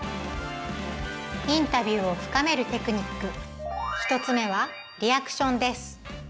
インタビューを深めるテクニック１つ目は「リアクション」です。